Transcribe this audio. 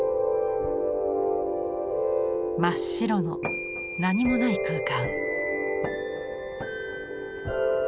真っ白の何もない空間。